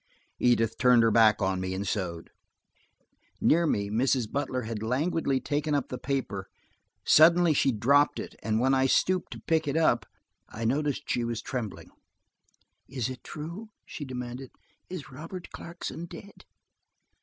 Edith turned her back on me and sewed. Near me, Mrs. Butler had languidly taken up the paper; suddenly she dropped it, and when I stooped and picked it up I noticed she was trembling. "Is it true?" she demanded. "Is Robert Clarkson dead?"